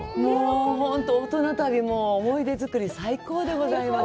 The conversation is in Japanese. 本当に大人旅も思い出作り、最高でございます。